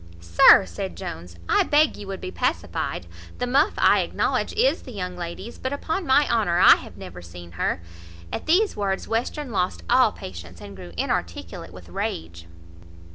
"Sir," said Jones, "I beg you would be pacified. The muff, I acknowledge, is the young lady's; but, upon my honour, I have never seen her." At these words Western lost all patience, and grew inarticulate with rage.